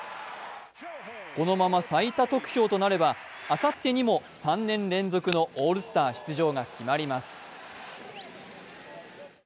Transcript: このまま最多得票となればあさってにも３年連続のオールスター出場が決まります。